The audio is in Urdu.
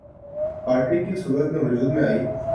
پارٹی کی صورت میں وجود میں آئی